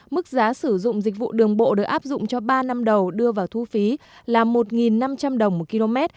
mức giá sử dụng dịch vụ đường bộ được áp dụng cho ba năm đầu đưa vào thu phí là một năm trăm linh đồng một km